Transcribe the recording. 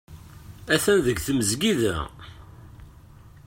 Atan deg tmesgida.